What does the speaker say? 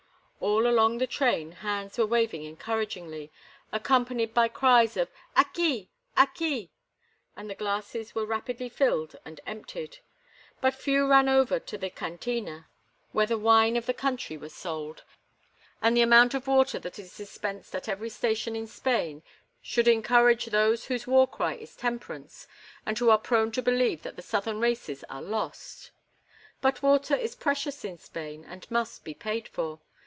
All along the train, hands were waving encouragingly, accompanied by cries of "Aqui! Aqui!" and the glasses were rapidly filled and emptied. But few ran over to the cantina where the wine of the country was sold; and the amount of water that is dispensed at every station in Spain should encourage those whose war cry is temperance and who are prone to believe that the southern races are lost. But water is precious in Spain, and must be paid for.